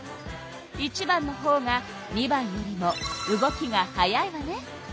１番のほうが２番よりも動きが速いわね。